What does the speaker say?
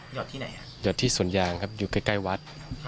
หอดที่ไหนครับหอดที่สวนยางครับอยู่ใกล้ใกล้วัด